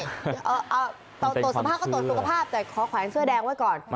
เอาตรวจสภาพก็ตรวจสุขภาพแต่ขอแขวนเสื้อแดงไว้ก่อน